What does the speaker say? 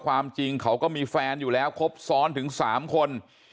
ความจริงเขาก็มีแฟนอยู่แล้วครบซ้อนถึง๓คน